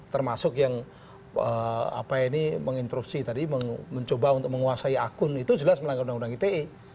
termasuk yang menginstruksi tadi mencoba untuk menguasai akun itu jelas melanggar undang undang ite